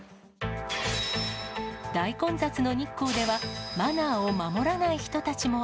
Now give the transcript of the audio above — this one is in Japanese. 大混雑の日光では、マナーを守らない人たちも。